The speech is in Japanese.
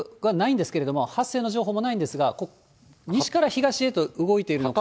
これは線状降水帯の予測がないんですけれども、発生の情報もないんですが、西から東へと動いているのが。